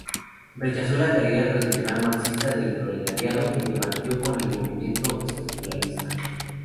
Rechazó la teoría tradicional marxista del proletariado y debatió con el movimiento estructuralista.